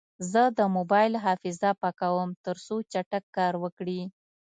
زه د موبایل حافظه پاکوم، ترڅو چټک کار وکړي.